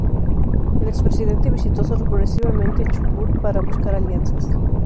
El expresidente visitó sorpresivamente Chubut para buscar alianzas.